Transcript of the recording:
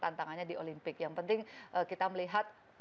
tantangannya di olimpik yang penting kita melihat